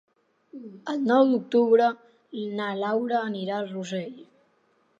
El nou d'octubre na Laura anirà a Rossell.